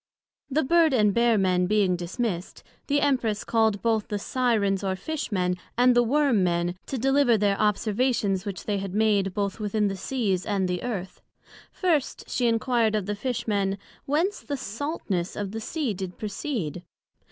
The Bird and Bear men being dismissed, the Empress called both the Syrens or Fish men, and the Worm men, to deliver their Observations which they had made, both within the Seas, and the Earth. First, she enquired of the Fish men whence the saltness of the Sea did proceed?